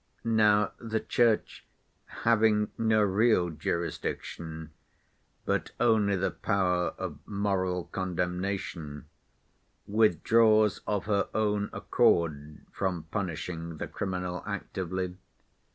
Now the Church having no real jurisdiction, but only the power of moral condemnation, withdraws of her own accord from punishing the criminal actively.